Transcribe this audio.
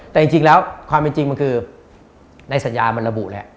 แต่จริงแล้วความเป็นจริงมันคือในสัญญามันระบุแล้ว